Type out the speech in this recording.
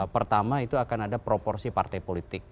pertama itu akan ada proporsi partai politik